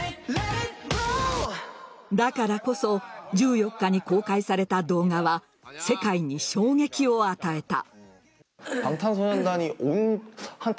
だからこそ１４日に公開された動画は世界に衝撃を与えた。